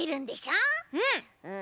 うん！